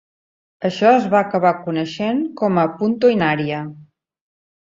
Això es va acabar coneixent com a "punto in aria".